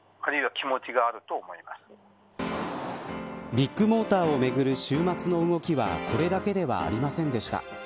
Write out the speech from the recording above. ビッグモーターをめぐる週末の動きはこれだけではありませんでした。